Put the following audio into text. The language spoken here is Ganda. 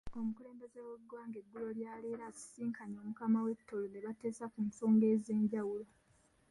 Omukulembeze w'eggwanga eggulo lya leero asisinkanyeemu Omukama w'e Tooro, nebateesa ku nsonga ez'enjawulo.